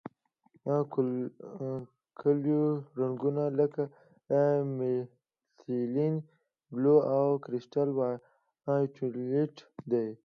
قلوي رنګونه لکه میتیلین بلو او کرسټل وایولېټ دي.